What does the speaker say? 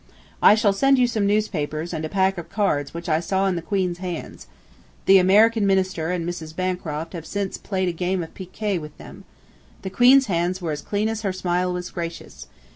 I shall send you some newspapers and a pack of cards which I saw in the Queen's hands. The American Minister and Mrs. Bancroft have since played a game of piquet with them. The Queen's hands were as clean as her smile was gracious.